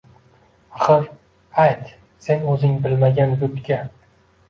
Axir, ayt, sen o‘zing bilmagan yurtga